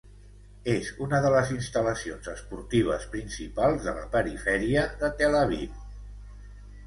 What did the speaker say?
És una de les instal·lacions esportives principals de la perifèria de Tel-Aviv.